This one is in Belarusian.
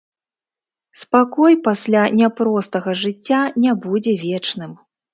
Спакой пасля няпростага жыцця не будзе вечным.